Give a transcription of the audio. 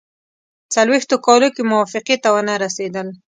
څلوېښتو کالو کې موافقې ته ونه رسېدل.